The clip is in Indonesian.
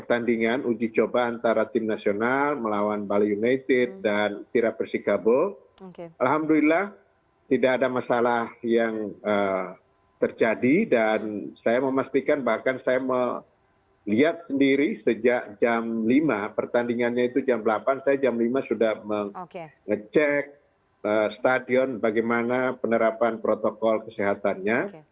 saya mau pastikan bahkan saya melihat sendiri sejak jam lima pertandingannya itu jam delapan saya jam lima sudah ngecek stadion bagaimana penerapan protokol kesehatannya